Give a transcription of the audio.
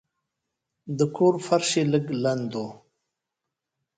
د کور فرش یې لږ لند و.